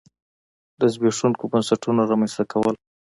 د زبېښونکو بنسټونو رامنځته کول.